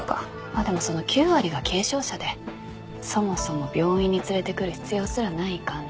まあでもその９割が軽症者でそもそも病院に連れてくる必要すらない患者。